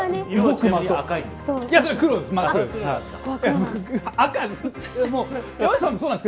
黒です。